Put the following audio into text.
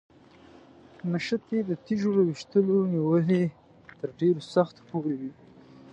نښتې د تیږو له ویشتلو نیولې تر ډېرو سختو پورې وي.